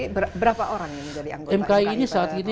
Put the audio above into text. dari berapa orang mki ini saat ini